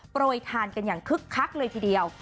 โปรยทานกันอย่างคึกคักเลยทีเดียว